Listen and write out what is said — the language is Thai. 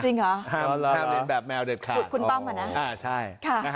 จริงเหรอคุณป้องเหรอนะค่ะใช่